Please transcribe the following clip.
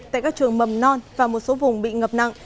tại các trường mầm non và một số vùng bị ngập nặng